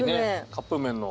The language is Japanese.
カップ麺の。